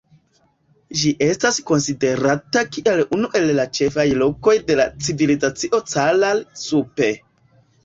Ĝi estas konsiderata kiel unu el ĉefaj lokoj de la Civilizacio Caral-Supe.